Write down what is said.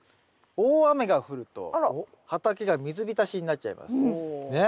大雨が降ると畑が水浸しになっちゃいます。ね？